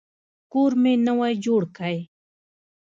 کور مي نوی جوړ کی.